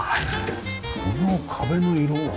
この壁の色は？